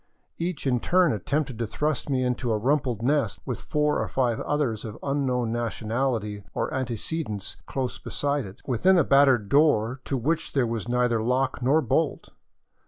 Each in turn attempted to thrust me into a rumpled nest, with four or five others of unknown national ity or antecedents close beside it, within a battered door to which there was neither lock nor bolt.